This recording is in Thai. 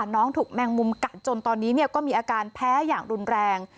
น้องถูกแมงมุมกัดจนตอนนี้ก็มีอาการแพ้อย่างรุนแรง